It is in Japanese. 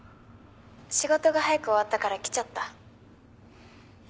「仕事が早く終わったから来ちゃった」